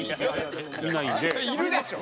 いるでしょ！